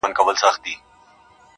ما درته وژړل، ستا نه د دې لپاره.